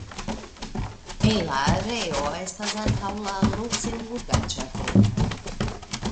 En la areo estas ankaŭ la Luksemburga Ĝardeno.